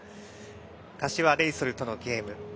柏レイソルとのゲーム。